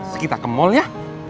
sekitar ke mall ya